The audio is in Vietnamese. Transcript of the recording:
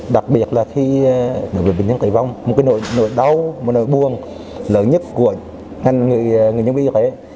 đặc biệt là khi bệnh nhân tẩy vong một nỗi đau một nỗi buồn lớn nhất của ngành người nhân viên y khỏe